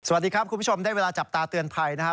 สวัสดีครับคุณผู้ชมได้เวลาจับตาเตือนภัยนะครับ